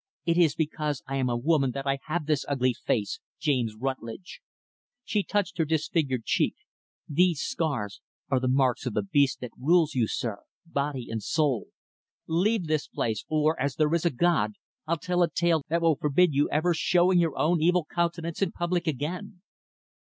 "It is because I am a woman that I have this ugly face, James Rutlidge." She touched her disfigured cheek "These scars are the marks of the beast that rules you, sir, body and soul. Leave this place, or, as there is a God, I'll tell a tale that will forbid you ever showing your own evil countenance in public, again."